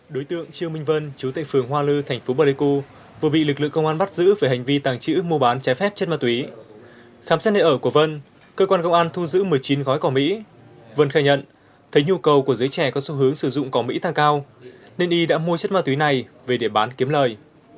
đối tượng trương minh vân chú tệ phường hoa lư thành phố pleiku vừa bị lực lượng công an bắt giữ về hành vi tàng trữ mua bán trái phép chất ma túy khám xét nơi ở của vân cơ quan công an thu giữ một mươi chín gói cỏ mỹ vân khai nhận thấy nhu cầu của giới trẻ có xu hướng sử dụng cỏ mỹ càng cao nên y đã mua chất ma túy này về để bán kiếm lời